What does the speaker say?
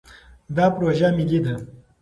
دا پروژه ملي ده.